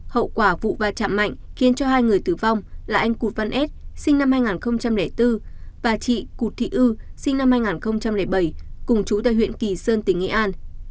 hậu quả vụ va chạm mạnh khiến cho hai người tử vong là anh cụt văn ết sinh năm hai nghìn bốn và chị cụt thị ư sinh năm hai nghìn bảy cùng chú tại huyện kỳ sơn tỉnh nghệ an